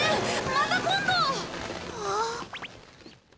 また今度！